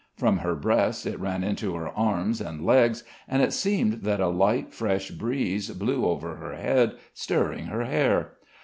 From her breast it ran into her arms and legs, and it seemed that a light fresh breeze blew over her head, stirring her hair.